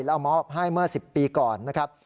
แล้วมอบให้เมื่อ๑๐ปีก่อนนะครับ